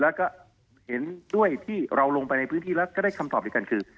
แล้วก็เห็นด้วยที่เราลงไปในพื้นที่แล้วก็ได้คำตอบเดียวกันคือ